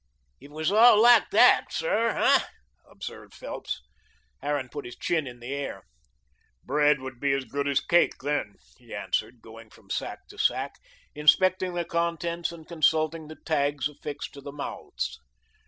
"If it was all like that, sir, hey?" observed Phelps. Harran put his chin in the air. "Bread would be as good as cake, then," he answered, going from sack to sack, inspecting the contents and consulting the tags affixed to the mouths.